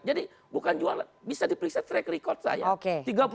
jadi bukan jualan bisa diperiksa track record saya